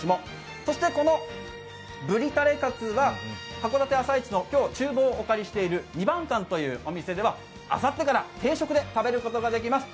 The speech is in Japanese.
そして、このブリたれカツは函館朝市のちゅう房をお借りしている二番館というお店ではあさってから定食で食べることができます。